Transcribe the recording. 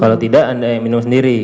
kalau tidak anda yang minum sendiri